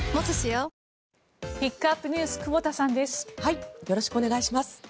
よろしくお願いします。